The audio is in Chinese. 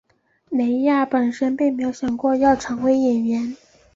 蕾雅本身并没有想过要成为演员。